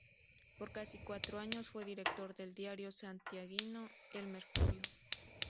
Por casi cuatro años, fue director del diario santiaguino "El Mercurio".